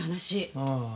ああ。